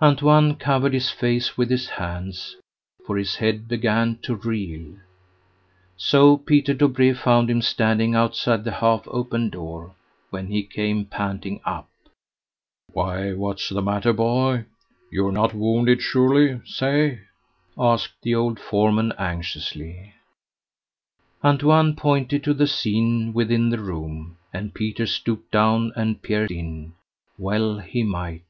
Antoine covered his face with his hands, for his head began to reel. So Peter Dobree found him standing outside the half open door, when he came panting up. "Why, what's the matter, boy? you're not wounded surely say?" asked the old foreman anxiously. Antoine pointed to the scene within the room, and Peter stooped down and peered in well he might.